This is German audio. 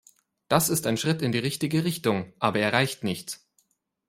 Das ist ein Schritt in die richtige Richtung, aber er reicht nicht.